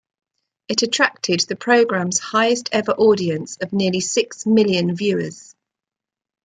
It attracted the programme's highest ever audience of nearly six million viewers.